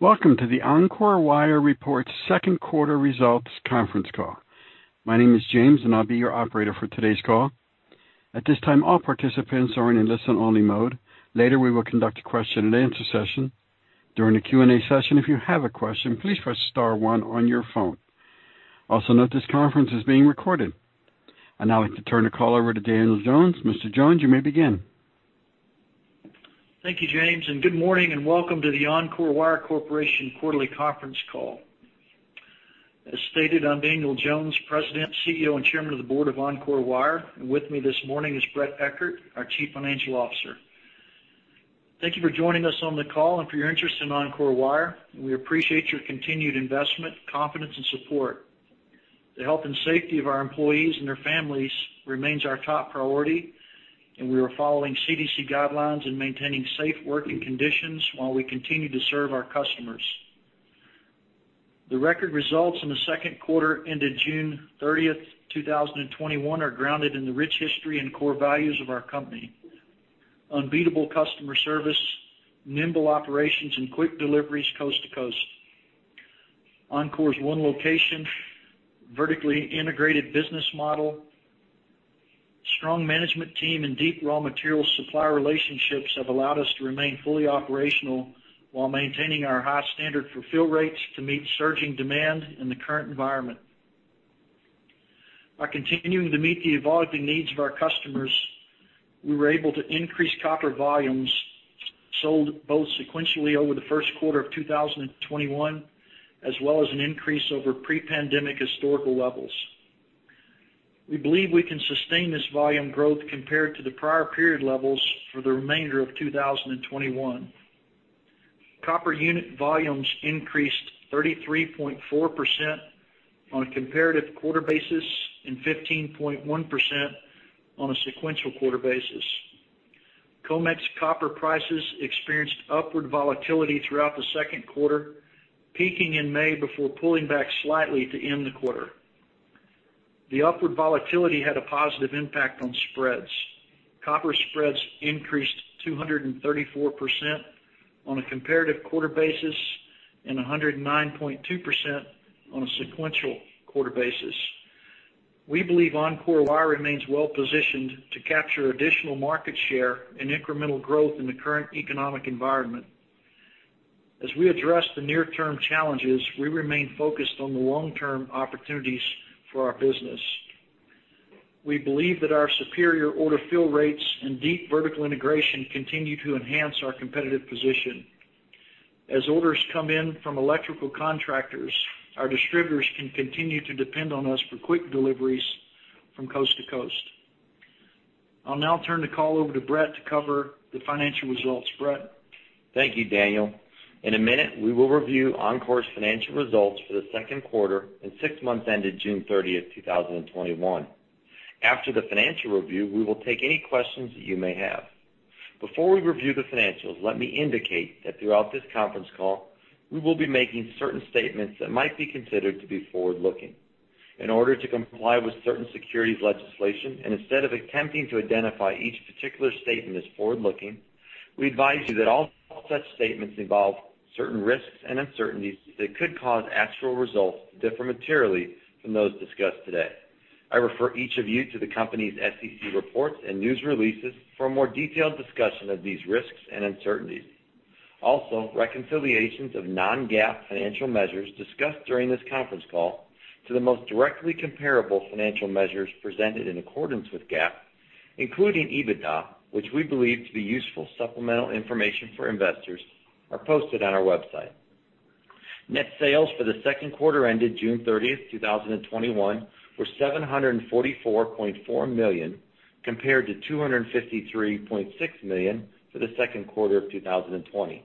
Welcome to the Encore Wire reports second quarter results conference call. My name is James, and I'll be your operator for today's call. At this time, all participants are in listen-only mode. Later, we will conduct a question-and-answer session. During the Q&A session, if you have a question, please press star one on your phone. Also note this conference is being recorded. I'd now like to turn the call over to Daniel Jones. Mr. Jones, you may begin. Thank you, James. Good morning, and welcome to the Encore Wire Corporation quarterly conference call. As stated, I'm Daniel Jones, President, CEO, and Chairman of the Board of Encore Wire, and with me this morning is Bret Eckert, our Chief Financial Officer. Thank you for joining us on the call and for your interest in Encore Wire. We appreciate your continued investment, confidence, and support. The health and safety of our employees and their families remains our top priority, and we are following CDC guidelines and maintaining safe working conditions while we continue to serve our customers. The record results in the second quarter ended June 30th, 2021, are grounded in the rich history and core values of our company: unbeatable customer service, nimble operations, and quick deliveries coast to coast. Encore's one location, vertically integrated business model, strong management team, and deep raw material supplier relationships have allowed us to remain fully operational while maintaining our high standard for fill rates to meet surging demand in the current environment. By continuing to meet the evolving needs of our customers, we were able to increase copper volumes sold both sequentially over the first quarter of 2021, as well as an increase over pre-pandemic historical levels. We believe we can sustain this volume growth compared to the prior period levels for the remainder of 2021. Copper unit volumes increased 33.4% on a comparative quarter basis and 15.1% on a sequential quarter basis. COMEX copper prices experienced upward volatility throughout the second quarter, peaking in May before pulling back slightly to end the quarter. The upward volatility had a positive impact on spreads. Copper spreads increased 234% on a comparative quarter basis and 109.2% on a sequential quarter basis. We believe Encore Wire remains well-positioned to capture additional market share and incremental growth in the current economic environment. As we address the near-term challenges, we remain focused on the long-term opportunities for our business. We believe that our superior order fill rates and deep vertical integration continue to enhance our competitive position. As orders come in from electrical contractors, our distributors can continue to depend on us for quick deliveries from coast to coast. I'll now turn the call over to Bret to cover the financial results. Bret? Thank you, Daniel. In a minute, we will review Encore's financial results for the second quarter and six months ended June 30th, 2021. After the financial review, we will take any questions that you may have. Before we review the financials, let me indicate that throughout this conference call, we will be making certain statements that might be considered to be forward-looking. In order to comply with certain securities legislation, and instead of attempting to identify each particular statement as forward-looking, we advise you that all such statements involve certain risks and uncertainties that could cause actual results to differ materially from those discussed today. I refer each of you to the company's SEC reports and news releases for a more detailed discussion of these risks and uncertainties. Reconciliations of non-GAAP financial measures discussed during this conference call to the most directly comparable financial measures presented in accordance with GAAP, including EBITDA, which we believe to be useful supplemental information for investors, are posted on our website. Net sales for the second quarter ended June 30th, 2021, were $744.4 million compared to $253.6 million for the second quarter of 2020.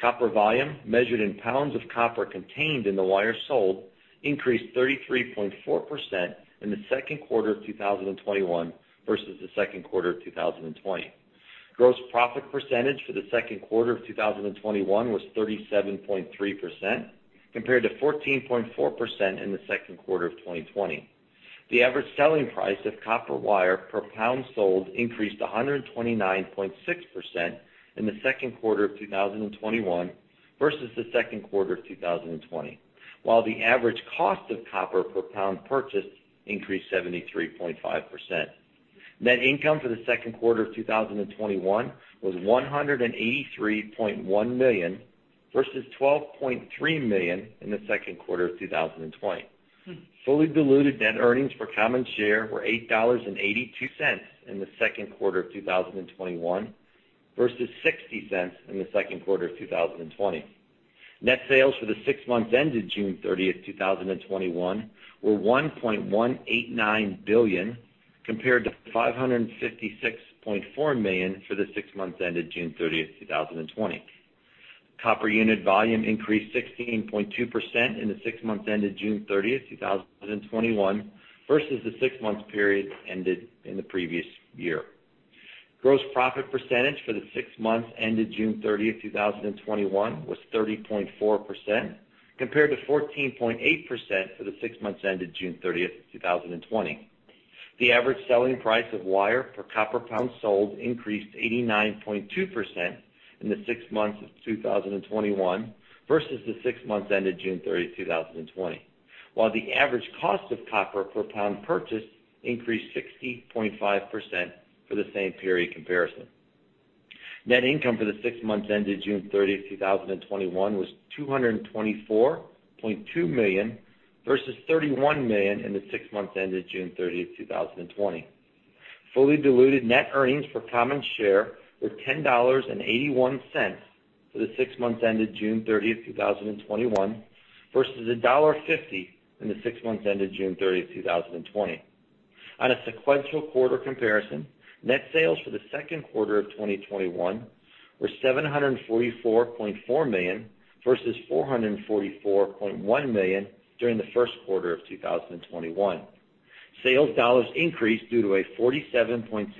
Copper volume measured in pounds of copper contained in the wire sold increased 33.4% in the second quarter of 2021 versus the second quarter of 2020. Gross profit percentage for the second quarter of 2021 was 37.3% compared to 14.4% in the second quarter of 2020. The average selling price of copper wire per pound sold increased 129.6% in the second quarter of 2021 versus the second quarter of 2020. While the average cost of copper per pound purchased increased 73.5%. Net income for the second quarter of 2021 was $183.1 million versus $12.3 million in the second quarter of 2020. Fully diluted net earnings per common share were $8.82 in the second quarter of 2021 versus $0.60 in the second quarter of 2020. Net sales for the six months ended June 30th, 2021, were $1.189 billion compared to $556.4 million for the six months ended June 30th, 2020. copper unit volume increased 16.2% in the six months ended June 30th, 2021, versus the six months period ended in the previous year. Gross profit percentage for the six months ended June 30th, 2021, was 30.4% compared to 14.8% for the six months ended June 30th, 2020. The average selling price of wire per copper pound sold increased 89.2% in the six months of 2021 versus the six months ended June 30, 2020. While the average cost of copper per pound purchased increased 60.5% for the same period comparison. Net income for the six months ended June 30, 2021, was $224.2 million versus $31 million in the six months ended June 30, 2020. Fully diluted net earnings per common share were $10.81 for the six months ended June 30, 2021, versus $1.50 in the six months ended June 30, 2020. On a sequential quarter comparison, net sales for the second quarter of 2021 were $744.4 million versus $444.1 million during the first quarter of 2021. Sales dollars increased due to a 47.7%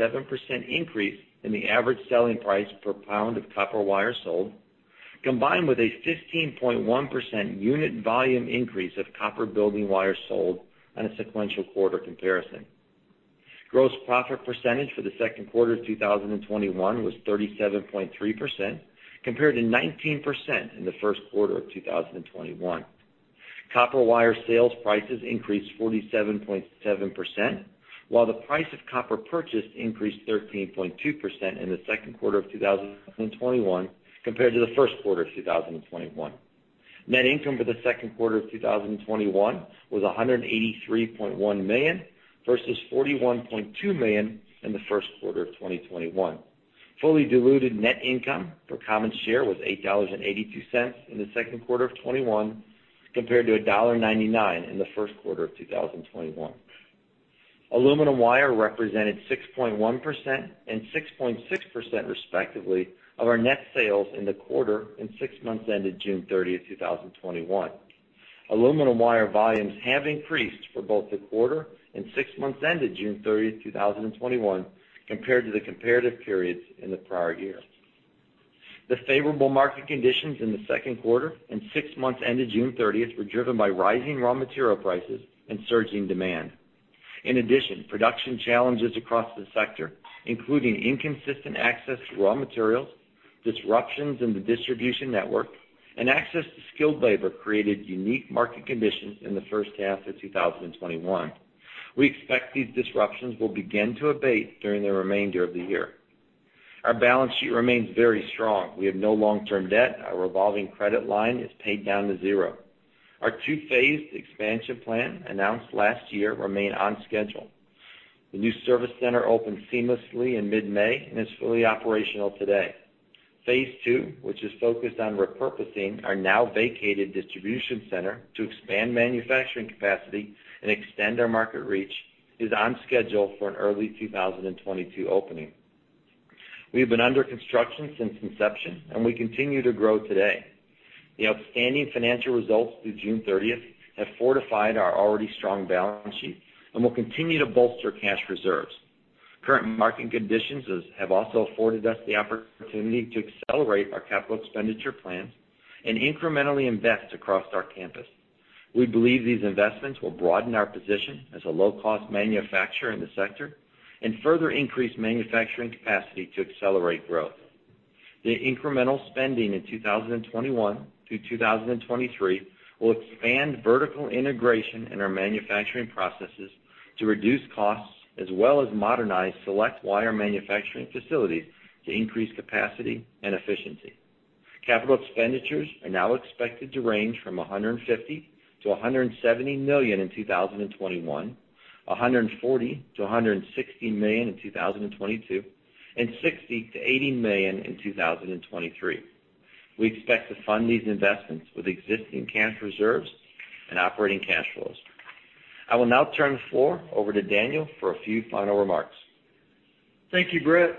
increase in the average selling price per pound of copper wire sold, combined with a 15.1% unit volume increase of copper building wire sold on a sequential quarter comparison. Gross profit percentage for the second quarter of 2021 was 37.3%, compared to 19% in the first quarter of 2021. Copper wire sales prices increased 47.7%, while the price of copper purchased increased 13.2% in the second quarter of 2021 compared to the first quarter of 2021. Net income for the second quarter of 2021 was $183.1 million versus $41.2 million in the first quarter of 2021. Fully diluted net income per common share was $8.82 in the second quarter of 2021, compared to $1.99 in the first quarter of 2021. Aluminum wire represented 6.1% and 6.6%, respectively, of our net sales in the quarter and six months ended June 30, 2021. Aluminum wire volumes have increased for both the quarter and six months ended June 30, 2021, compared to the comparative periods in the prior year. The favorable market conditions in the second quarter and six months ended June 30th were driven by rising raw material prices and surging demand. Production challenges across the sector, including inconsistent access to raw materials, disruptions in the distribution network, and access to skilled labor, created unique market conditions in the first half of 2021. We expect these disruptions will begin to abate during the remainder of the year. Our balance sheet remains very strong. We have no long-term debt. Our revolving credit line is paid down to zero. Our two-phased expansion plan announced last year remain on schedule. The new service center opened seamlessly in mid-May and is fully operational today. Phase II, which is focused on repurposing our now vacated distribution center to expand manufacturing capacity and extend our market reach, is on schedule for an early 2022 opening. We've been under construction since inception, and we continue to grow today. The outstanding financial results through June 30th have fortified our already strong balance sheet and will continue to bolster cash reserves. Current market conditions have also afforded us the opportunity to accelerate our capital expenditure plans and incrementally invest across our campus. We believe these investments will broaden our position as a low-cost manufacturer in the sector and further increase manufacturing capacity to accelerate growth. The incremental spending in 2021-2023 will expand vertical integration in our manufacturing processes to reduce costs, as well as modernize select wire manufacturing facilities to increase capacity and efficiency. Capital expenditures are now expected to range from $150 million-$170 million in 2021, $140 million-$160 million in 2022, and $60 million-$80 million in 2023. We expect to fund these investments with existing cash reserves and operating cash flows. I will now turn the floor over to Daniel for a few final remarks. Thank you, Bret.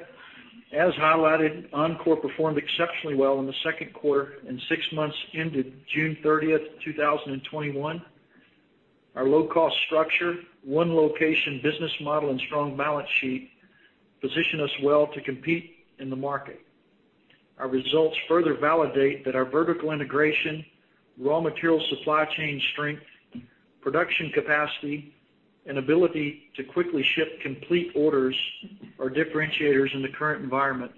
As highlighted, Encore performed exceptionally well in the second quarter and six months ended June 30, 2021. Our low-cost structure, one location business model, and strong balance sheet position us well to compete in the market. Our results further validate that our vertical integration, raw material supply chain strength, production capacity, and ability to quickly ship complete orders are differentiators in the current environment.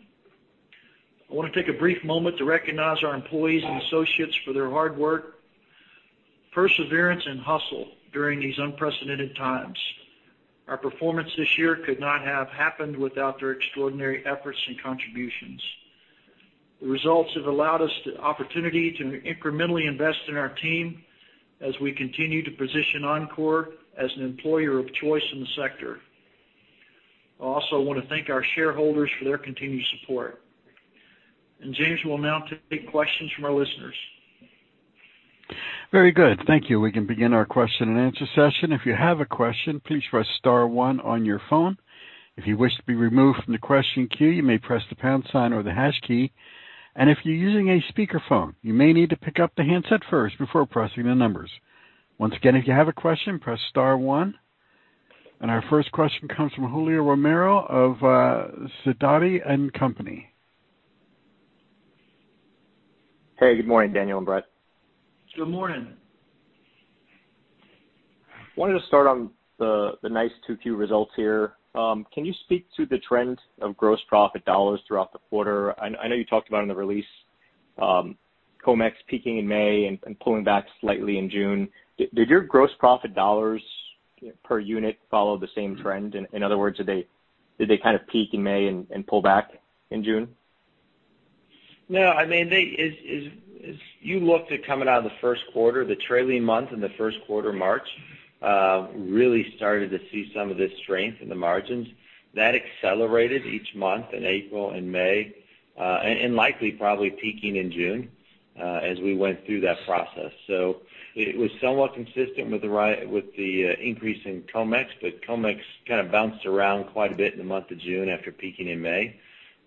I want to take a brief moment to recognize our employees and associates for their hard work, perseverance, and hustle during these unprecedented times. Our performance this year could not have happened without their extraordinary efforts and contributions. The results have allowed us the opportunity to incrementally invest in our team as we continue to position Encore as an employer of choice in the sector. I also want to thank our shareholders for their continued support. James will now take questions from our listeners. Very good. Thank you. We can begin our question-and-answer session. If you have a question, please press star one on your phone. If you wish to be removed from the question queue, you may press the pound sign or the hash key. If you're using a speakerphone, you may need to pick up the handset first before pressing the numbers. Once again, if you have a question, press star one. Our first question comes from Julio Romero of Sidoti & Company. Hey, good morning, Daniel and Bret. Good morning. Wanted to start on the nice 2Q results here. Can you speak to the trend of gross profit dollars throughout the quarter? I know you talked about in the release, COMEX peaking in May and pulling back slightly in June. Did your gross profit dollars per unit follow the same trend? In other words, did they kind of peak in May and pull back in June? No, as you look to coming out of the first quarter, the trailing month in the first quarter, March, really started to see some of this strength in the margins. That accelerated each month in April and May, and likely probably peaking in June, as we went through that process. It was somewhat consistent with the increase in COMEX, but COMEX kind of bounced around quite a bit in the month of June after peaking in May.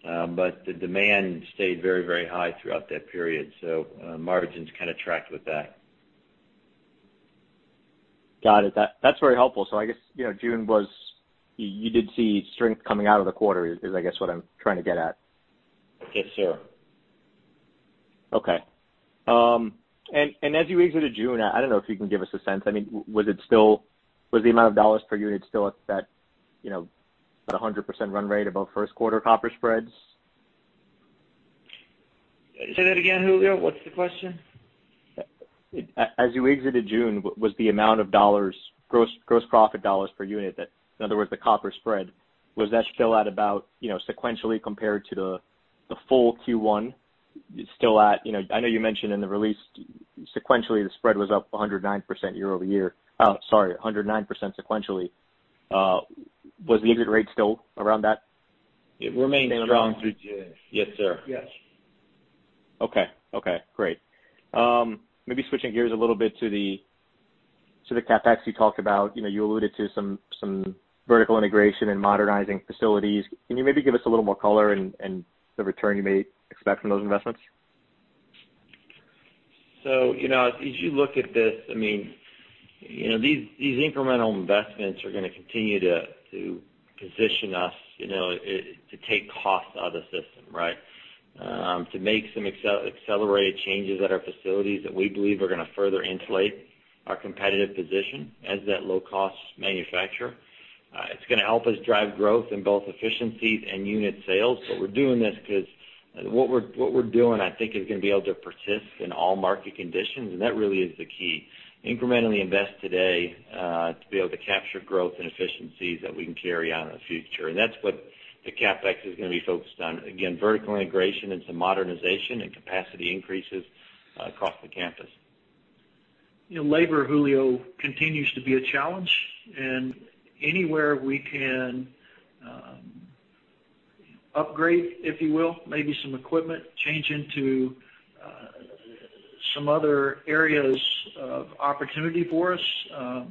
The demand stayed very high throughout that period, so margins kind of tracked with that. Got it. That's very helpful. I guess, June was You did see strength coming out of the quarter, is I guess, what I'm trying to get at. Yes, sir. As you exited June, I don't know if you can give us a sense, was the amount of dollars per unit still at that 100% run rate above first quarter copper spreads? Say that again, Julio. What's the question? As you exited June, was the amount of gross profit dollars per unit that, in other words, the copper spread, was that still at about sequentially compared to the full Q1? I know you mentioned in the release, sequentially, the spread was up 109% year-over-year. Sorry, 109% sequentially. Was the exit rate still around that? It remained strong through June. Yes, sir. Yes. Okay, great. Switching gears a little bit to the CapEx you talked about. You alluded to some vertical integration and modernizing facilities. Can you maybe give us a little more color and the return you may expect from those investments? As you look at this, these incremental investments are going to continue to position us to take cost out of the system, right? To make some accelerated changes at our facilities that we believe are going to further insulate our competitive position as that low-cost manufacturer. It's going to help us drive growth in both efficiencies and unit sales. We're doing this because what we're doing, I think, is going to be able to persist in all market conditions, and that really is the key. Incrementally invest today to be able to capture growth and efficiencies that we can carry on in the future. That's what the CapEx is going to be focused on. Again, vertical integration and some modernization and capacity increases across the campus. Labor, Julio, continues to be a challenge, and anywhere we can upgrade, if you will, maybe some equipment, change into some other areas of opportunity for us,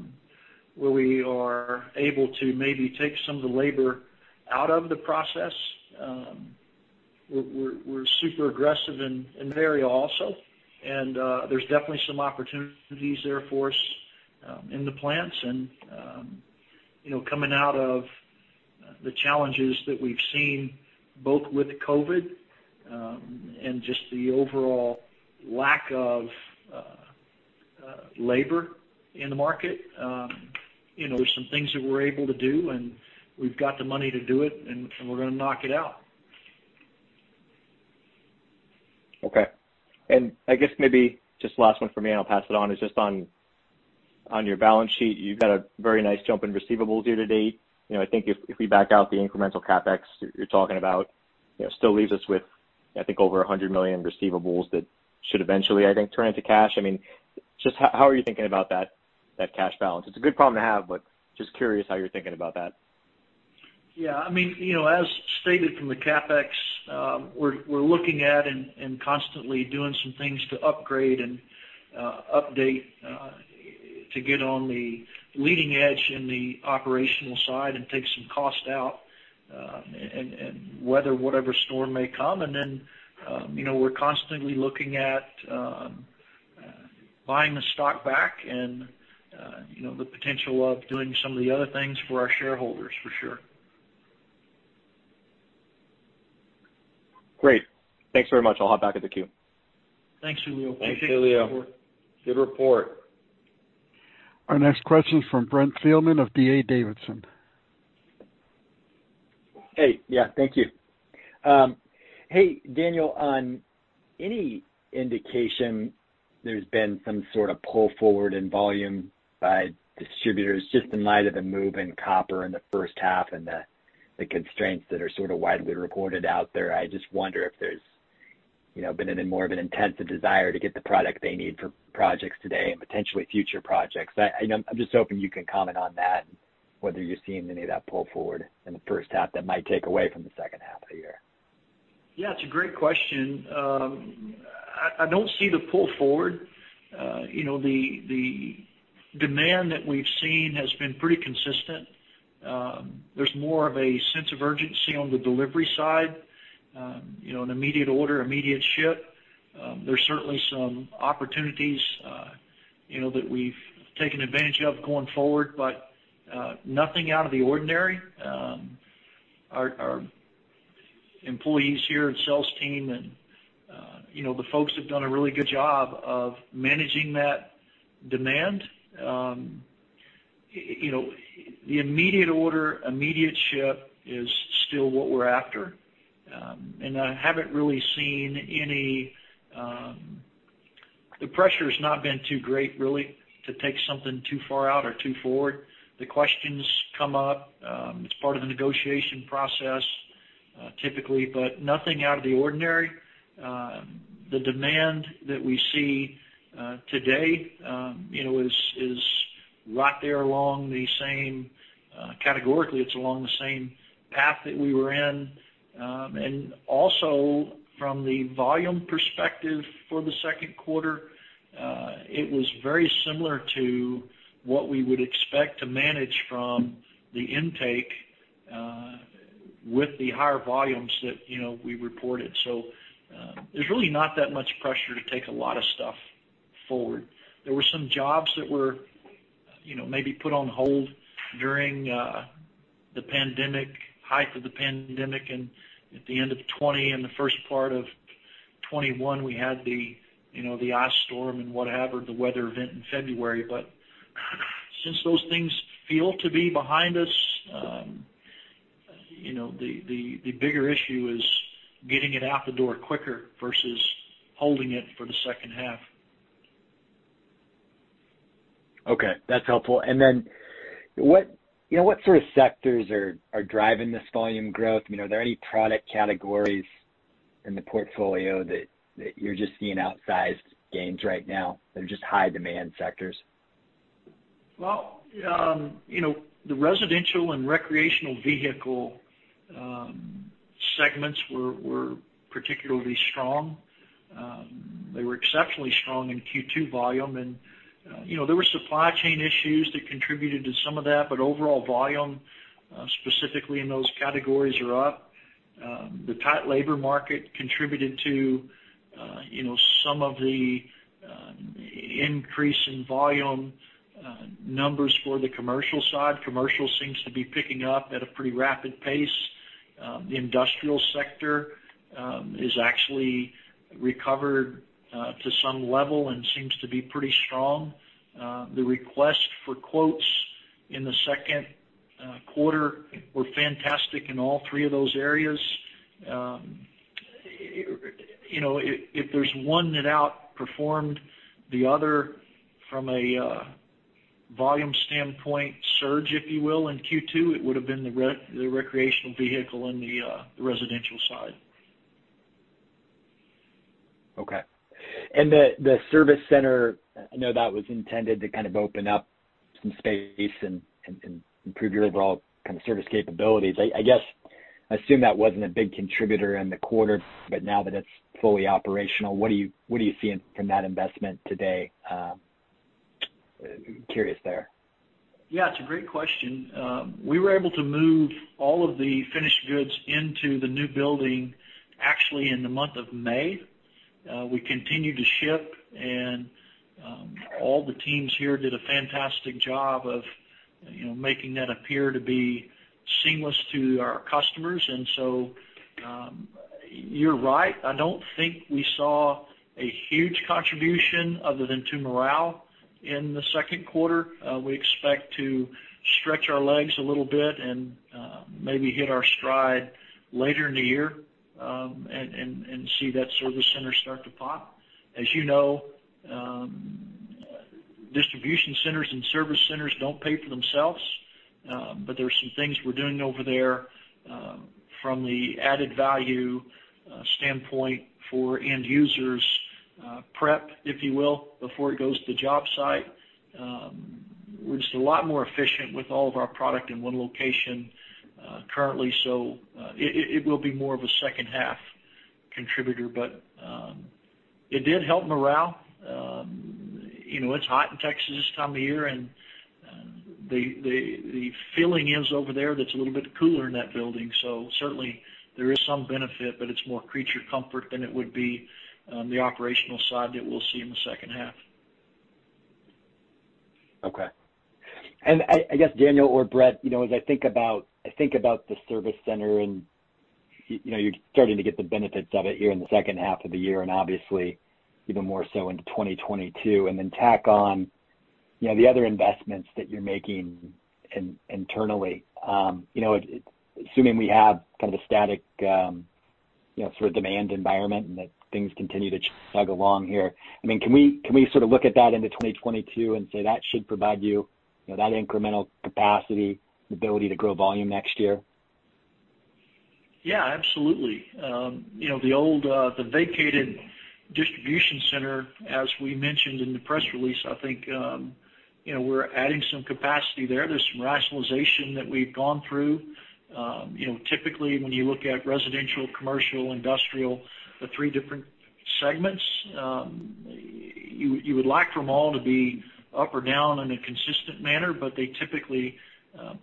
where we are able to maybe take some of the labor out of the process. We're super aggressive in that area also, and there's definitely some opportunities there for us, in the plants and coming out of the challenges that we've seen, both with COVID, and just the overall lack of labor in the market. There's some things that we're able to do, and we've got the money to do it, and we're going to knock it out. Okay. I guess maybe just last one from me, and I'll pass it on, is just on your balance sheet. You've had a very nice jump in receivables year-to-date. I think if we back out the incremental CapEx you're talking about, still leaves us with, I think, over $100 million in receivables that should eventually, I think, turn into cash. Just how are you thinking about that cash balance? It's a good problem to have, but just curious how you're thinking about that. Yeah. As stated from the CapEx, we're looking at and constantly doing some things to upgrade and update to get on the leading edge in the operational side and take some cost out, and weather whatever storm may come. We're constantly looking at buying the stock back and the potential of doing some of the other things for our shareholders, for sure. Great. Thanks very much. I'll hop back in the queue. Thanks, Julio. Thanks, Julio. Good report. Our next question is from Brent Thielman of D.A. Davidson. Hey. Yeah, thank you. Hey, Daniel, on any indication there's been some sort of pull forward in volume by distributors, just in light of the move in copper in the first half and the constraints that are sort of widely reported out there. I just wonder if there's been any more of an intensive desire to get the product they need for projects today and potentially future projects. I'm just hoping you can comment on that, whether you're seeing any of that pull forward in the first half that might take away from the second half of the year. Yeah, it's a great question. I don't see the pull forward. The demand that we've seen has been pretty consistent. There's more of a sense of urgency on the delivery side. An immediate order, immediate ship. There're certainly some opportunities that we've taken advantage of going forward, but nothing out of the ordinary. Our employees here and sales team and the folks have done a really good job of managing that demand. The immediate order, immediate ship is still what we're after. The pressure's not been too great, really, to take something too far out or too forward. The questions come up, it's part of the negotiation process, typically, but nothing out of the ordinary. The demand that we see today is right there along the same, categorically, it's along the same path that we were in. Also, from the volume perspective for the second quarter, it was very similar to what we would expect to manage from the intake, with the higher volumes that we reported. There's really not that much pressure to take a lot of stuff forward. There were some jobs that were maybe put on hold during the pandemic, height of the pandemic, and at the end of 2020 and the first part of 2021, we had the ice storm and whatever, the weather event in February. Since those things feel to be behind us, the bigger issue is getting it out the door quicker versus holding it for the second half. Okay. That's helpful. What sort of sectors are driving this volume growth? Are there any product categories in the portfolio that you're just seeing outsized gains right now, that are just high demand sectors? Well, the residential and recreational vehicle segments were particularly strong. They were exceptionally strong in Q2 volume, and there were supply chain issues that contributed to some of that. Overall volume, specifically in those categories, are up. The tight labor market contributed to some of the increase in volume numbers for the commercial side. Commercial seems to be picking up at a pretty rapid pace. The industrial sector is actually recovered to some level and seems to be pretty strong. The request for quotes in the second quarter were fantastic in all three of those areas. If there's one that outperformed the other from a volume standpoint surge, if you will, in Q2, it would've been the recreational vehicle and the residential side. Okay. The service center, I know that was intended to kind of open up some space and improve your overall kind of service capabilities. I guess, I assume that wasn't a big contributor in the quarter, but now that it's fully operational, what are you seeing from that investment today? Curious there. Yeah, it's a great question. We were able to move all of the finished goods into the new building, actually, in the month of May. We continued to ship, and all the teams here did a fantastic job of making that appear to be seamless to our customers. You're right. I don't think we saw a huge contribution other than to morale in the second quarter. We expect to stretch our legs a little bit and maybe hit our stride later in the year and see that service center start to pop. As you know, distribution centers and service centers don't pay for themselves. There are some things we're doing over there, from the added value standpoint for end users. Prep, if you will, before it goes to the job site. We're just a lot more efficient with all of our product in one location currently. It will be more of a second half contributor, but it did help morale. It's hot in Texas this time of year, and the feeling is over there that it's a little bit cooler in that building. Certainly, there is some benefit, but it's more creature comfort than it would be on the operational side that we'll see in the second half. Okay. I guess Daniel or Bret, as I think about the service center and you're starting to get the benefits of it here in the second half of the year, and obviously even more so into 2022. Then tack on the other investments that you're making internally. Assuming we have kind of a static sort of demand environment and that things continue to chug along here, can we sort of look at that into 2022 and say that should provide you that incremental capacity, the ability to grow volume next year? Yeah, absolutely. The old, the vacated distribution center, as we mentioned in the press release, I think, we're adding some capacity there. There's some rationalization that we've gone through. Typically, when you look at residential, commercial, industrial, the three different segments, you would like for them all to be up or down in a consistent manner, but they typically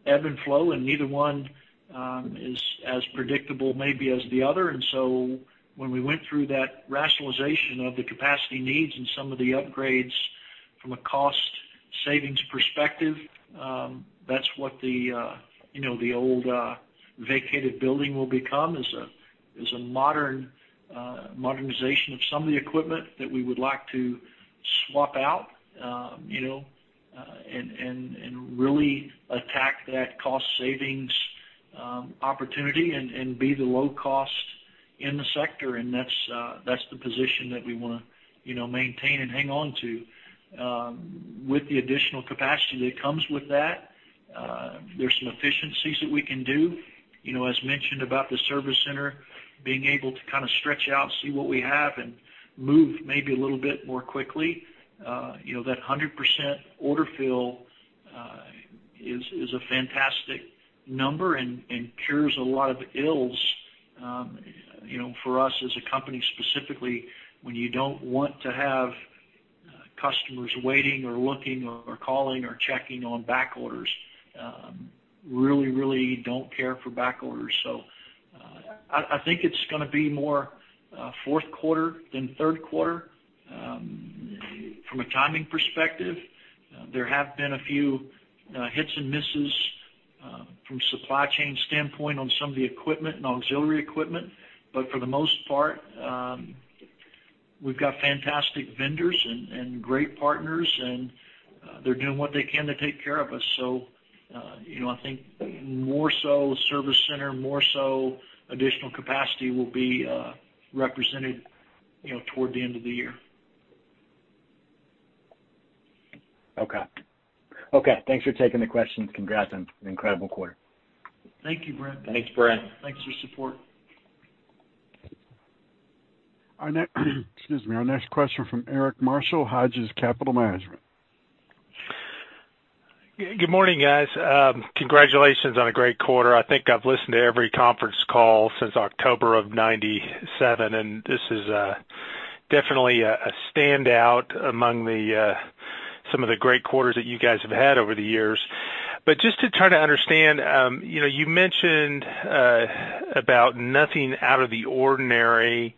ebb and flow, and neither one is as predictable maybe as the other. When we went through that rationalization of the capacity needs and some of the upgrades from a cost savings perspective, that's what the old vacated building will become, is a modernization of some of the equipment that we would like to swap out, and really attack that cost savings opportunity and be the low cost in the sector. That's the position that we want to maintain and hang on to. With the additional capacity that comes with that, there's some efficiencies that we can do. As mentioned about the service center, being able to kind of stretch out, see what we have, and move maybe a little bit more quickly. That 100% order fill is a fantastic number and cures a lot of ills, for us as a company specifically, when you don't want to have customers waiting or looking or calling or checking on back orders. Really don't care for back orders. I think it's going to be more fourth quarter than third quarter. From a timing perspective, there have been a few hits and misses from supply chain standpoint on some of the equipment and auxiliary equipment. For the most part, we've got fantastic vendors and great partners, and they're doing what they can to take care of us. I think more so service center, more so additional capacity will be represented toward the end of the year. Okay. Thanks for taking the questions. Congrats on an incredible quarter. Thank you, Brent. Thanks, Brent. Thanks for your support. Excuse me. Our next question from Eric Marshall, Hodges Capital Management. Good morning, guys. Congratulations on a great quarter. I think I've listened to every conference call since October of 1997. This is definitely a standout among some of the great quarters that you guys have had over the years. Just to try to understand, you mentioned about nothing out of the ordinary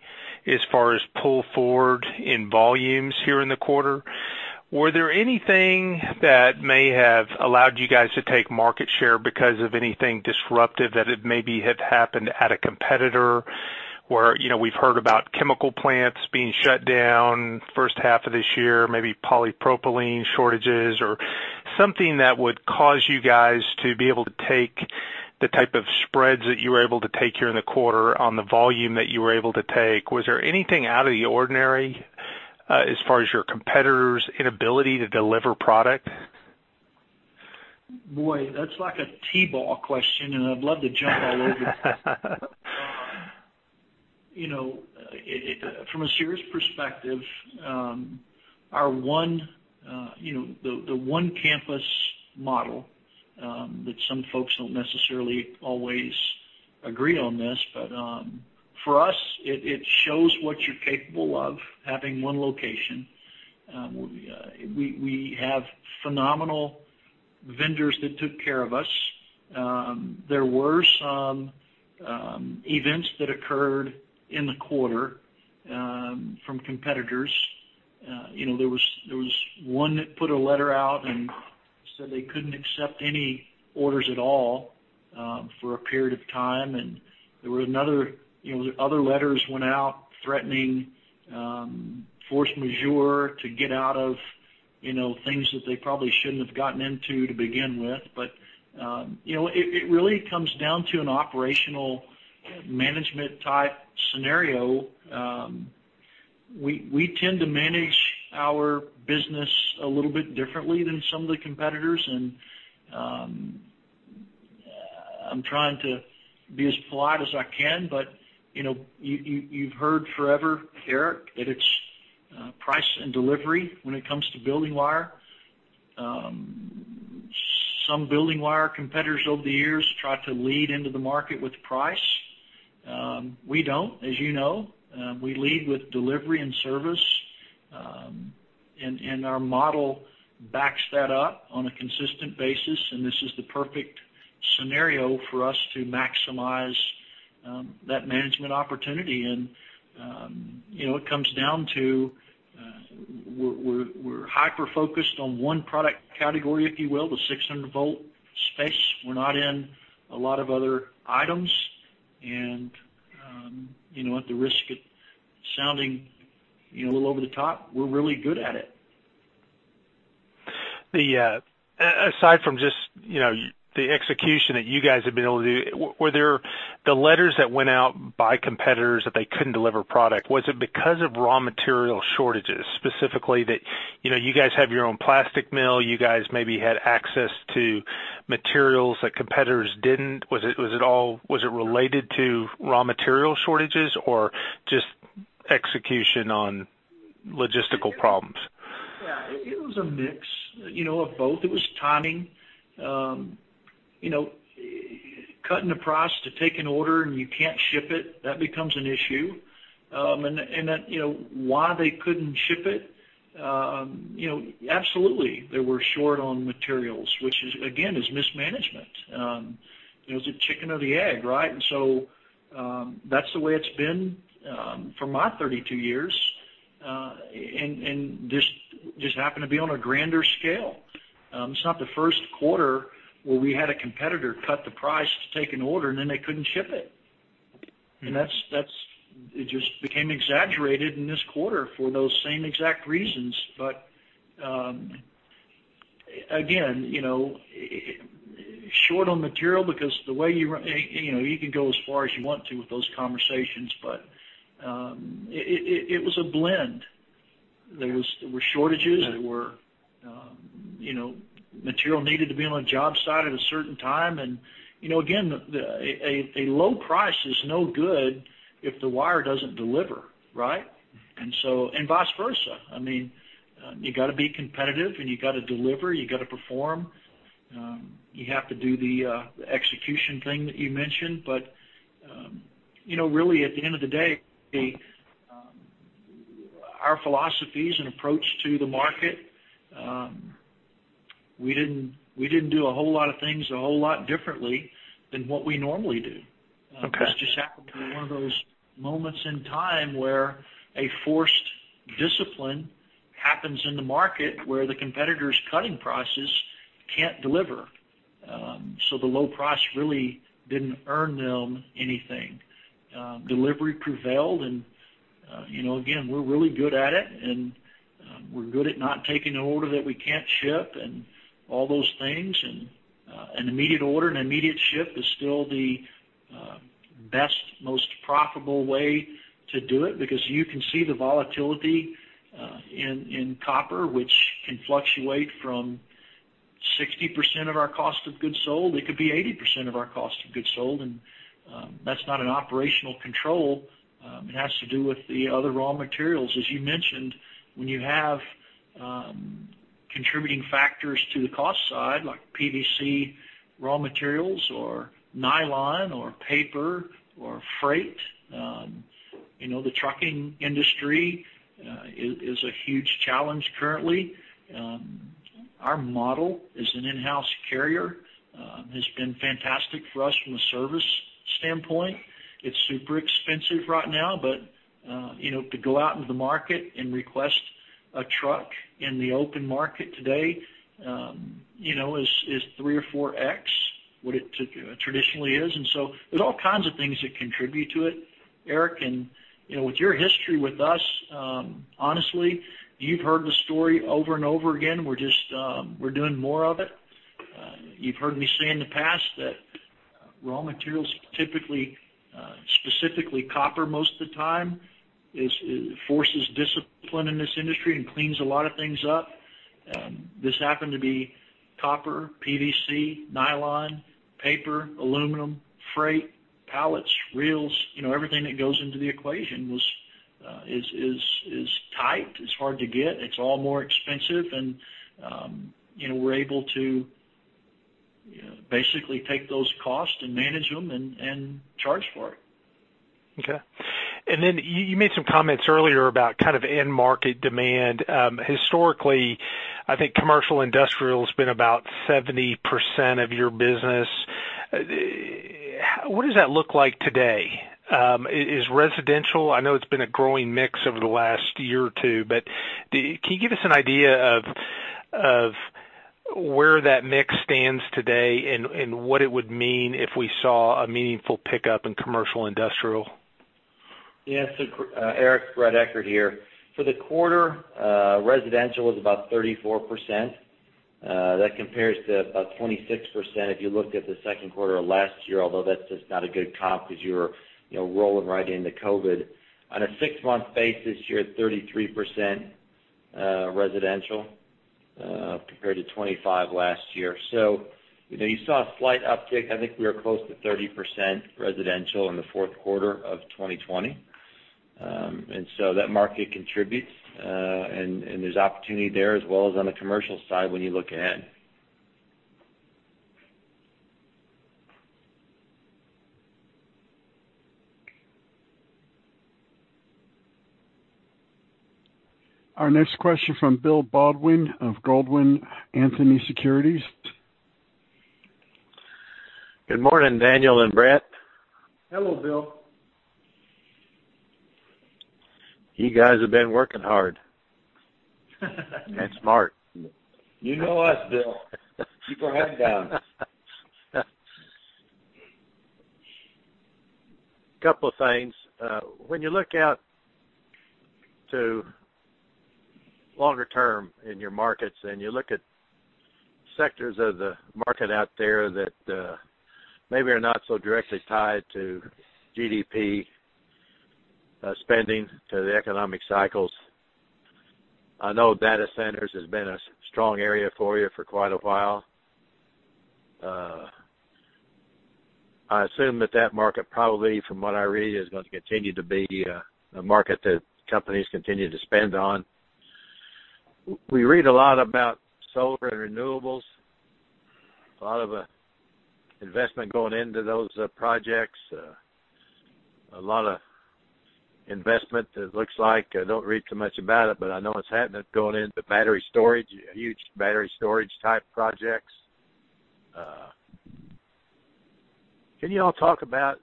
as far as pull forward in volumes here in the quarter. Were there anything that may have allowed you guys to take market share because of anything disruptive that it maybe had happened at a competitor? Where we've heard about chemical plants being shut down first half of this year, maybe polypropylene shortages, or something that would cause you guys to be able to take the type of spreads that you were able to take here in the quarter on the volume that you were able to take. Was there anything out of the ordinary, as far as your competitors' inability to deliver product? Boy, that's like a T-ball question, and I'd love to jump all over that. From a serious perspective, the one campus model, that some folks don't necessarily always agree on this, but for us, it shows what you're capable of, having one location. We have phenomenal vendors that took care of us. There were some events that occurred in the quarter from competitors. There was one that put a letter out and said they couldn't accept any orders at all for a period of time, and other letters went out threatening force majeure to get out of things that they probably shouldn't have gotten into to begin with. It really comes down to an operational management type scenario. We tend to manage our business a little bit differently than some of the competitors, and I'm trying to be as polite as I can, but you've heard forever, Eric, that it's price and delivery when it comes to building wire. Some building wire competitors over the years try to lead into the market with price. We don't, as you know. We lead with delivery and service, and our model backs that up on a consistent basis, and this is the perfect scenario for us to maximize that management opportunity. It comes down to we're hyper-focused on one product category, if you will, the 600-volt space. We're not in a lot of other items. At the risk of sounding a little over the top, we're really good at it. Aside from just the execution that you guys have been able to do, the letters that went out by competitors that they couldn't deliver product, was it because of raw material shortages? Specifically, that you guys have your own plastic mill, you guys maybe had access to materials that competitors didn't. Was it related to raw material shortages or just execution on logistical problems? Yeah. It was a mix of both. It was timing. Cutting the price to take an order and you can't ship it, that becomes an issue. Why couldn't they ship it? Absolutely, they were short on materials, which again, is mismanagement. It was the chicken or the egg, right? That's the way it's been for my 32 years, and this just happened to be on a grander scale. It's not the first quarter where we had a competitor cut the price to take an order, and then they couldn't ship it. It just became exaggerated in this quarter for those same exact reasons. Again, short on material because the way you can go as far as you want to with those conversations, but it was a blend. Yeah. There were shortages. Right. There were material needed to be on a job site at a certain time. Again, a low price is no good if the wire doesn't deliver, right? Vice versa. You got to be competitive, and you got to deliver, you got to perform. You have to do the execution thing that you mentioned. Really, at the end of the day, our philosophies and approach to the market, we didn't do a whole lot of things a whole lot differently than what we normally do. Okay. This just happened to be one of those moments in time where a forced discipline happens in the market where the competitor's cutting prices can't deliver. The low price really didn't earn them anything. Delivery prevailed, again, we're really good at it, and we're good at not taking an order that we can't ship and all those things. An immediate order and an immediate ship is still the best, most profitable way to do it because you can see the volatility in copper, which can fluctuate from 60% of our cost of goods sold. It could be 80% of our cost of goods sold, and that's not an operational control. It has to do with the other raw materials. As you mentioned, when you have contributing factors to the cost side, like PVC raw materials or nylon or paper or freight. The trucking industry is a huge challenge currently. Our model is an in-house carrier. Has been fantastic for us from a service standpoint. It's super expensive right now, To go out into the market and request a truck in the open market today is 3x or 4x what it traditionally is. There're all kinds of things that contribute to it, Eric. With your history with us, honestly, you've heard the story over and over again. We're doing more of it. You've heard me say in the past that raw materials, typically, specifically copper most of the time, forces discipline in this industry and cleans a lot of things up. This happened to be copper, PVC, nylon, paper, aluminum, freight, pallets, reels. Everything that goes into the equation is tight. It's hard to get. It's all more expensive, and we're able to basically take those costs and manage them and charge for it. Okay. You made some comments earlier about end market demand. Historically, I think commercial industrial's been about 70% of your business. What does that look like today? Is residential, I know it's been a growing mix over the last year or two, but can you give us an idea of where that mix stands today and what it would mean if we saw a meaningful pickup in commercial industrial? Eric, Bret Eckert here. For the quarter, residential is about 34%. That compares to about 26% if you looked at the second quarter of last year, although that's just not a good comp because you're rolling right into COVID. On a six-month basis, you're 33% residential, compared to 25% last year. You saw a slight uptick. I think we were close to 30% residential in the fourth quarter of 2020. That market contributes, and there's opportunity there, as well as on the commercial side when you look ahead. Our next question from Bill Baldwin of Baldwin Anthony Securities. Good morning, Daniel and Bret. Hello, Bill. You guys have been working hard. Smart. You know us, Bill. Keep our head down. Couple of things. When you look out to longer term in your markets, you look at sectors of the market out there that maybe are not so directly tied to GDP spending, to the economic cycles. I know data centers has been a strong area for you for quite a while. I assume that that market probably, from what I read, is going to continue to be a market that companies continue to spend on. We read a lot about solar and renewables, a lot of investment going into those projects. A lot of investment, it looks like. I don't read too much about it, but I know it's happening. It's going into battery storage, huge battery storage-type projects. Can you all talk about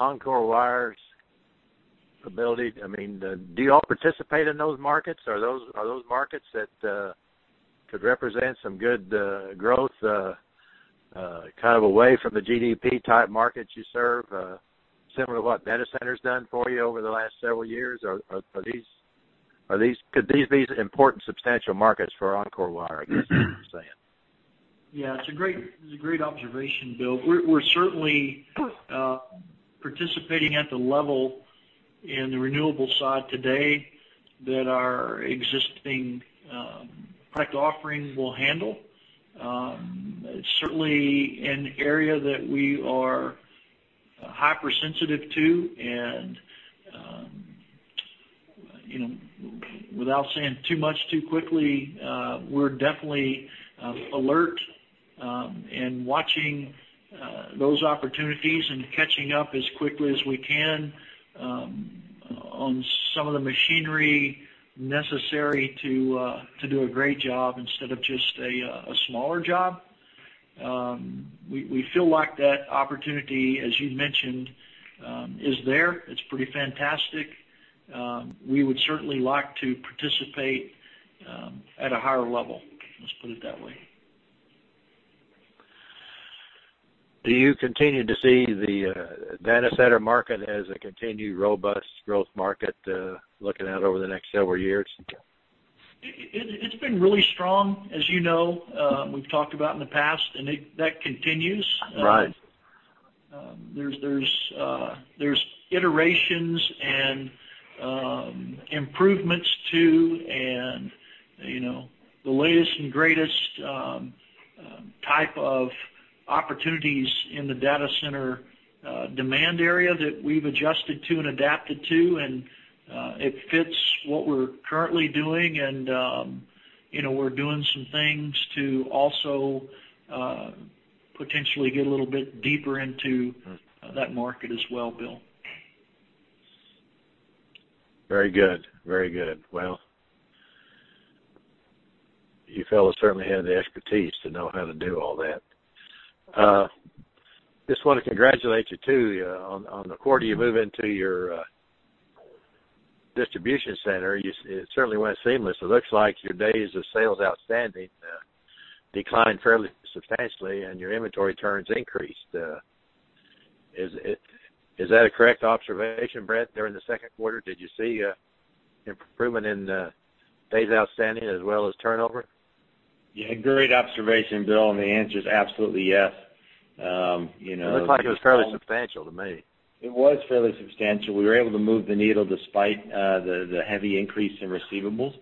Encore Wire's ability? Do you all participate in those markets? Are those markets that could represent some good growth, kind of away from the GDP-type markets you serve, similar to what data center's done for you over the last several years? Could these be important, substantial markets for Encore Wire, I guess, is what I'm saying? Yeah. It's a great observation, Bill. We're certainly participating at the level in the renewable side today that our existing product offering will handle. It's certainly an area that we are hypersensitive to, and without saying too much too quickly, we're definitely alert and watching those opportunities and catching up as quickly as we can on some of the machinery necessary to do a great job instead of just a smaller job. We feel like that opportunity, as you mentioned, is there. It's pretty fantastic. We would certainly like to participate at a higher level. Let's put it that way. Do you continue to see the data center market as a continued robust growth market, looking out over the next several years? It's been really strong, as you know. We've talked about in the past. That continues. Right. There's iterations and improvements too, and the latest and greatest type of opportunities in the data center demand area that we've adjusted to and adapted to, and it fits what we're currently doing, and we're doing some things to also potentially get a little bit deeper into that market as well, Bill. Very good. Well, you fellows certainly have the expertise to know how to do all that. Just want to congratulate you, too. On the quarter you move into your distribution center, it certainly went seamless. It looks like your days of sales outstanding declined fairly substantially, and your inventory turns increased. Is that a correct observation, Bret, during the second quarter? Did you see improvement in days outstanding as well as turnover? Yeah. Great observation, Bill, and the answer is absolutely yes. It looks like it was fairly substantial to me. It was fairly substantial. We were able to move the needle despite the heavy increase in receivables,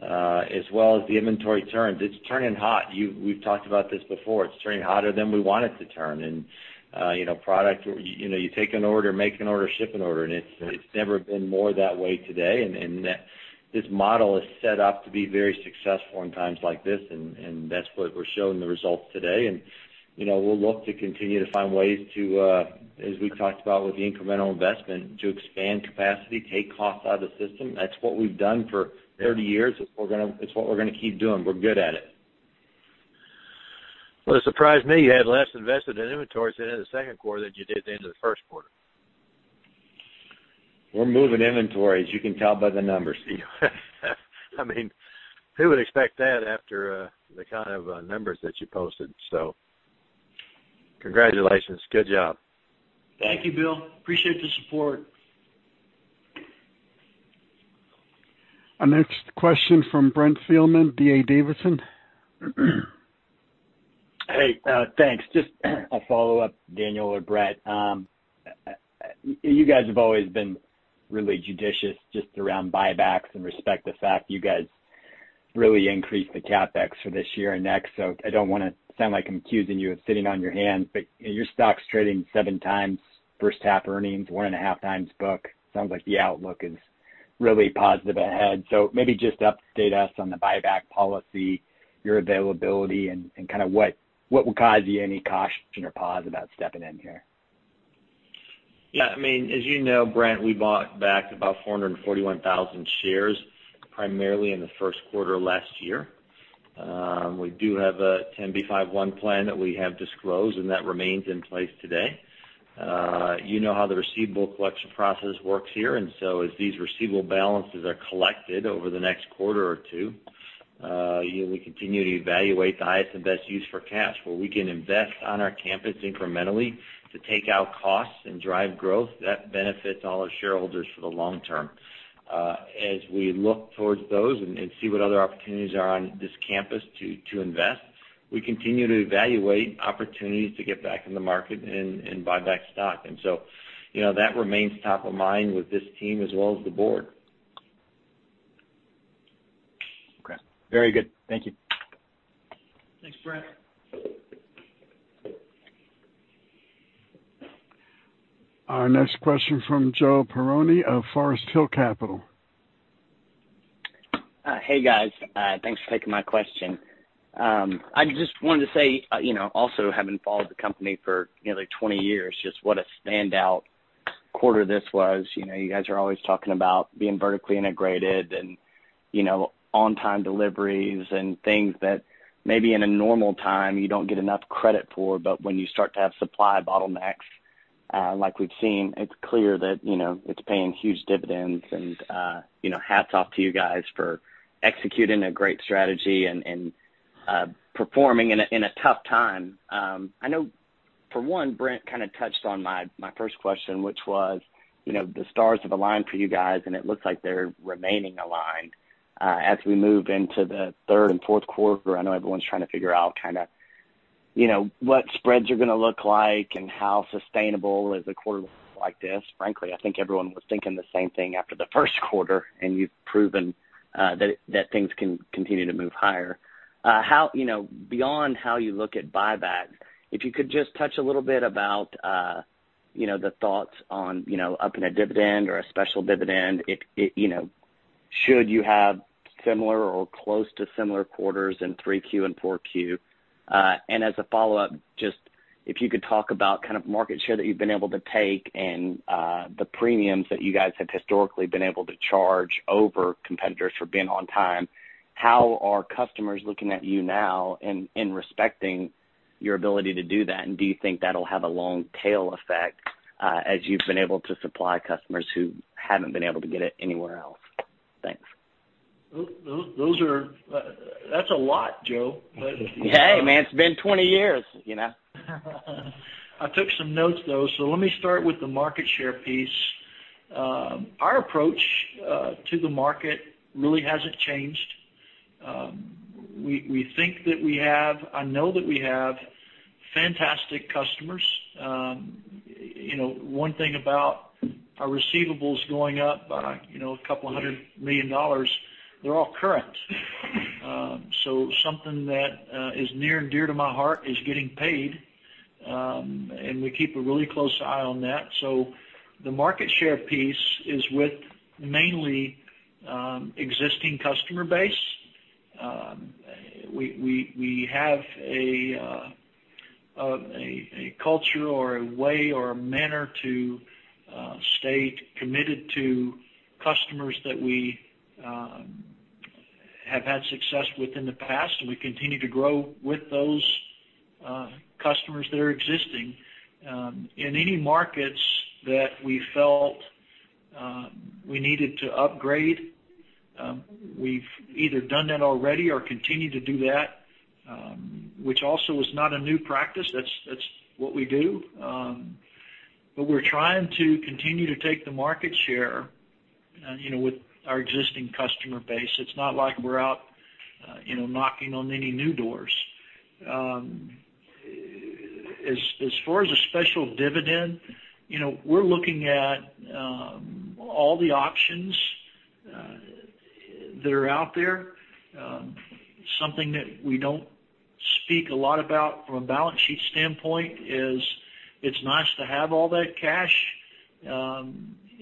as well as the inventory turns. It's turning hot. We've talked about this before. It's turning hotter than we want it to turn. You take an order, make an order, ship an order, it's never been more that way today. This model is set up to be very successful in times like this, that's what we're showing the results today. We'll look to continue to find ways to, as we've talked about with the incremental investment, to expand capacity, take costs out of the system. That's what we've done for 30 years. It's what we're going to keep doing. We're good at it. Well, it surprised me you had less invested in inventories at the end of the second quarter than you did at the end of the first quarter. We're moving inventory, as you can tell by the numbers. Who would expect that after the kind of numbers that you posted? Congratulations. Good job. Thank you, Bill. Appreciate the support. Our next question from Brent Thielman, D.A. Davidson. Hey. Thanks. Just a follow-up, Daniel or Bret. You guys have always been really judicious just around buybacks and respect the fact you guys really increased the CapEx for this year and next. I don't want to sound like I'm accusing you of sitting on your hands, but your stock's trading seven times first half earnings, one and a half times book. Sounds like the outlook is really positive ahead. Maybe just update us on the buyback policy, your availability, and what would cause you any caution or pause about stepping in here? As you know, Brent, we bought back about 441,000 shares, primarily in the first quarter of last year. We do have a 10b5-1 plan that we have disclosed, and that remains in place today. You know how the receivable collection process works here, as these receivable balances are collected over the next quarter or two, we continue to evaluate the highest and best use for cash, where we can invest on our campus incrementally to take out costs and drive growth. That benefits all our shareholders for the long term. As we look towards those and see what other opportunities are on this campus to invest, we continue to evaluate opportunities to get back in the market and buy back stock. That remains top of mind with this team as well as the board. Okay. Very good. Thank you. Thanks, Brent. Our next question from Joe Perrone of Forest Hill Capital. Hey guys. Thanks for taking my question. I just wanted to say, also having followed the company for nearly 20 years, just what a standout quarter this was. You guys are always talking about being vertically integrated and on-time deliveries and things that maybe in a normal time you don't get enough credit for. When you start to have supply bottlenecks like we've seen, it's clear that it's paying huge dividends, and hats off to you guys for executing a great strategy and performing in a tough time. I know for one, Brent kind of touched on my first question, which was the stars have aligned for you guys, and it looks like they're remaining aligned. As we move into the third and fourth quarter, I know everyone's trying to figure out what spreads are going to look like and how sustainable is a quarter like this. Frankly, I think everyone was thinking the same thing after the first quarter, and you've proven that things can continue to move higher. Beyond how you look at buyback, if you could just touch a little bit about the thoughts on upping a dividend or a special dividend, should you have similar or close to similar quarters in 3Q and 4Q? As a follow-up, just if you could talk about market share that you've been able to take and the premiums that you guys have historically been able to charge over competitors for being on time. How are customers looking at you now and respecting your ability to do that? Do you think that'll have a long tail effect as you've been able to supply customers who haven't been able to get it anywhere else? Thanks. That's a lot, Joe. Hey, man, it's been 20 years. I took some notes, though. Let me start with the market share piece. Our approach to the market really hasn't changed. We think that we have, I know that we have fantastic customers. One thing about our receivables going up by $200 million, they're all current. Something that is near and dear to my heart is getting paid, and we keep a really close eye on that. The market share piece is with mainly existing customer base. We have a culture or a way or a manner to stay committed to customers that we have had success with in the past, and we continue to grow with those customers that are existing. In any markets that we felt we needed to upgrade, we've either done that already or continue to do that, which also is not a new practice. That's what we do. We're trying to continue to take the market share with our existing customer base. It's not like we're out knocking on any new doors. As far as a special dividend, we're looking at all the options that are out there. Something that we don't speak a lot about from a balance sheet standpoint is it's nice to have all that cash.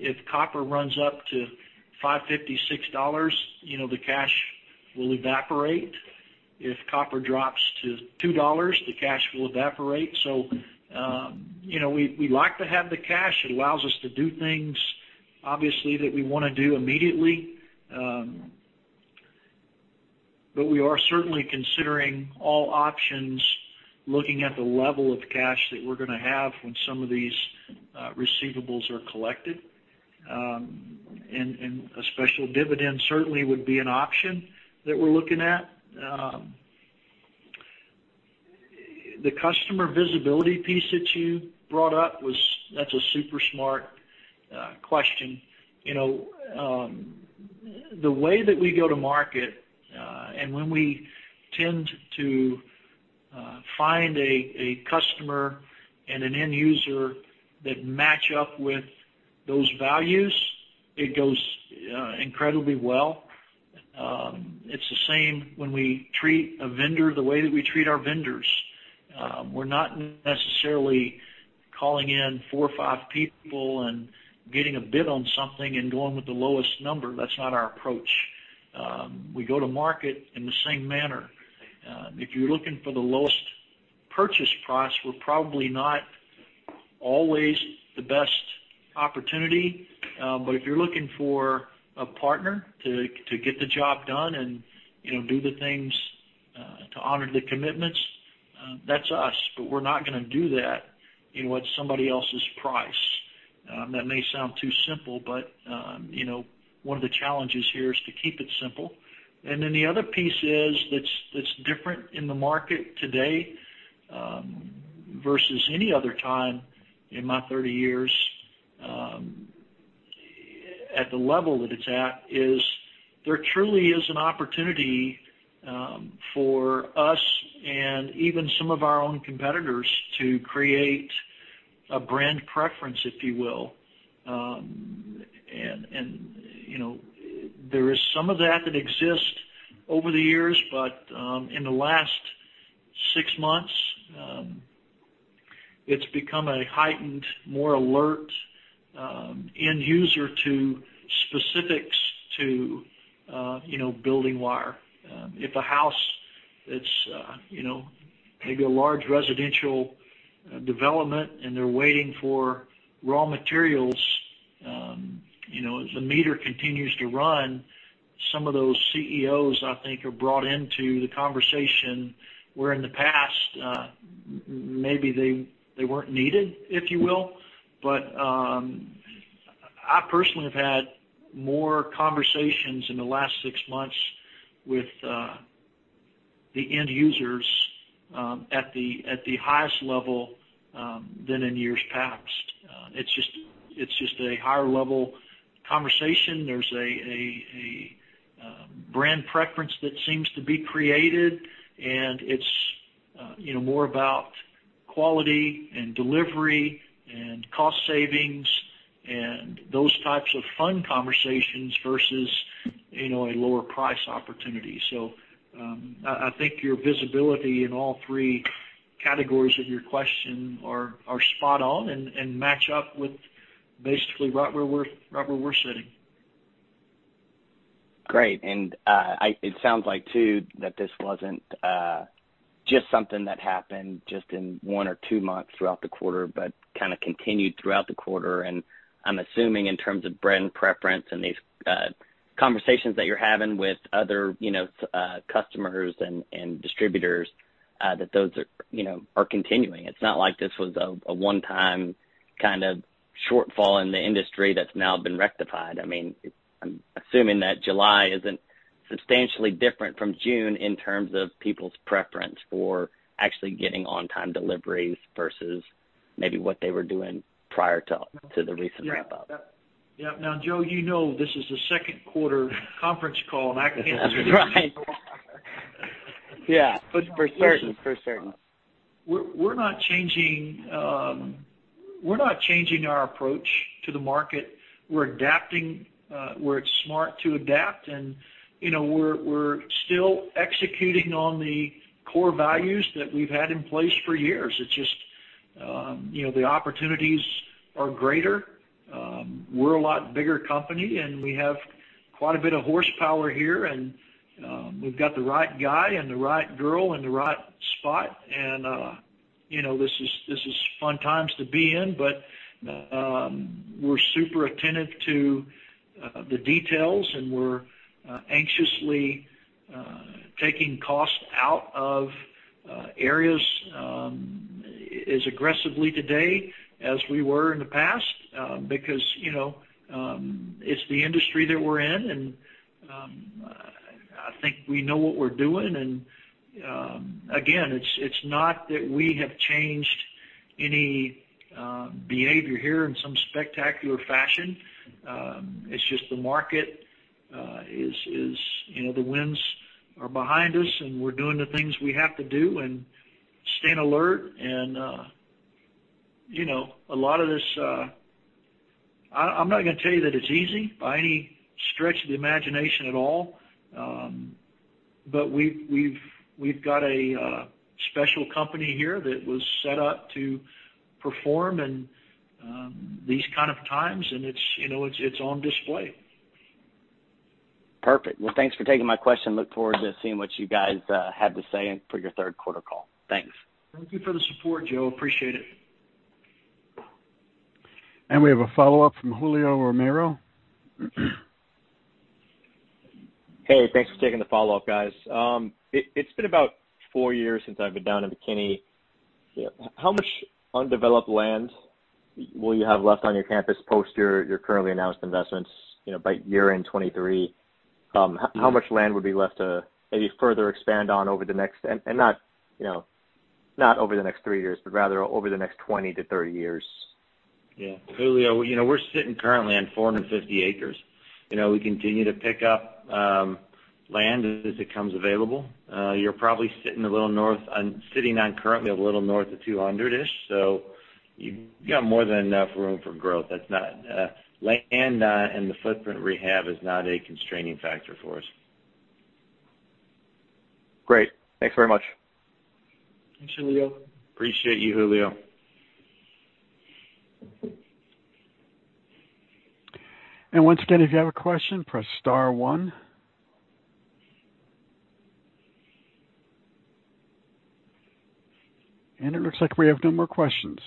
If copper runs up to $5.50, $6, the cash will evaporate. If copper drops to $2, the cash will evaporate. We like to have the cash. It allows us to do things, obviously, that we want to do immediately. We are certainly considering all options, looking at the level of cash that we're going to have when some of these receivables are collected. A special dividend certainly would be an option that we're looking at. The customer visibility piece that you brought up was. That's a super smart question. The way that we go to market, and when we tend to find a customer and an end user that match up with those values, it goes incredibly well. It's the same when we treat a vendor the way that we treat our vendors. We're not necessarily calling in four or five people and getting a bid on something and going with the lowest number. That's not our approach. We go to market in the same manner. If you're looking for the lowest purchase price, we're probably not always the best opportunity. If you're looking for a partner to get the job done and do the things to honor the commitments, that's us. We're not going to do that at somebody else's price. That may sound too simple, but one of the challenges here is to keep it simple. The other piece is, that's different in the market today versus any other time in my 30 years, at the level that it's at, is there truly is an opportunity for us and even some of our own competitors to create a brand preference, if you will. There is some of that that exists over the years, but in the last six months, it's become a heightened, more alert end user to specifics to building wire. If a house, it's maybe a large residential development, and they're waiting for raw materials, as the meter continues to run, some of those CEOs, I think, are brought into the conversation, where in the past, maybe they weren't needed, if you will. I personally have had more conversations in the last six months with the end users at the highest level than in years past. It's just a higher-level conversation. There's a brand preference that seems to be created, and it's more about quality and delivery and cost savings and those types of fun conversations versus a lower price opportunity. I think your visibility in all three categories of your question are spot on and match up with basically right where we're sitting. Great. It sounds like, too, that this wasn't just something that happened just in one or two months throughout the quarter but kind of continued throughout the quarter. I'm assuming in terms of brand preference and these conversations that you're having with other customers and distributors, that those are continuing. It's not like this was a one-time kind of shortfall in the industry that's now been rectified. I'm assuming that July isn't substantially different from June in terms of people's preference for actually getting on-time deliveries versus maybe what they were doing prior to the recent ramp up. Yeah. Now, Joe, you know this is the second quarter conference call. That's right. Yeah. For certain. We're not changing our approach to the market. We're adapting where it's smart to adapt, and we're still executing on the core values that we've had in place for years. It's just the opportunities are greater. We're a lot bigger company, and we have quite a bit of horsepower here, and we've got the right guy and the right girl in the right spot, and this is fun times to be in. We're super attentive to the details, and we're anxiously taking costs out of areas as aggressively today as we were in the past, because it's the industry that we're in, and I think we know what we're doing. Again, it's not that we have changed any behavior here in some spectacular fashion. The winds are behind us, and we're doing the things we have to do and staying alert. I'm not gonna tell you that it's easy by any stretch of the imagination at all. We've got a special company here that was set up to perform in these kinds of times, and it's on display. Perfect. Thanks for taking my question. Look forward to seeing what you guys have to say for your third quarter call. Thanks. Thank you for the support, Joe. Appreciate it. We have a follow-up from Julio Romero. Hey, thanks for taking the follow-up, guys. It's been about four years since I've been down in McKinney. How much undeveloped land will you have left on your campus post your currently announced investments by year-end 2023? How much land would be left to maybe further expand on not over the next three years, but rather over the next 20-30 years. Yeah. Julio, we're sitting currently on 450 acres. We continue to pick up land as it comes available. You're probably sitting on currently a little north of 200-ish. You've got more than enough room for growth. Land and the footprint rehab is not a constraining factor for us. Great. Thanks very much. Thanks, Julio. Appreciate you, Julio. Once again, if you have a question, press star one. It looks like we have no more questions.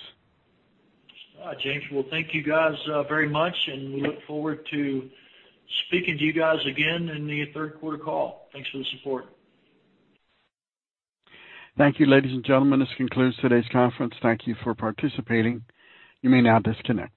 All right, James. Well, thank you guys very much, and we look forward to speaking to you guys again in the third quarter call. Thanks for the support. Thank you, ladies and gentlemen. This concludes today's conference. Thank you for participating. You may now disconnect.